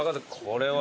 これは。